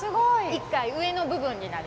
１階上の部分になります。